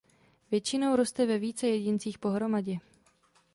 Většinou roste ve více jedincích pohromadě.